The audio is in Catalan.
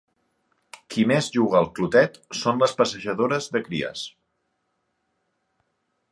Qui més juga al clotet són les passejadores de cries.